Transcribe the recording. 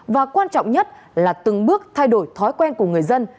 và quan trọng nhất là từng bước thay đổi thói quen của người dân